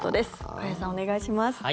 加谷さん、お願いします。